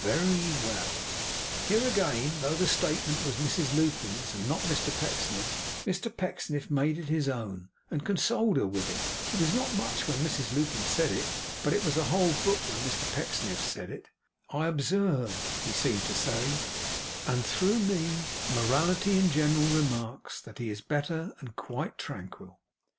Ve ry well!' Here again, though the statement was Mrs Lupin's and not Mr Pecksniff's, Mr Pecksniff made it his own and consoled her with it. It was not much when Mrs Lupin said it, but it was a whole book when Mr Pecksniff said it. 'I observe,' he seemed to say, 'and through me, morality in general remarks, that he is better and quite tranquil.